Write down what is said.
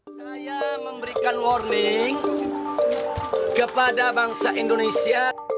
saya memberikan warning kepada bangsa indonesia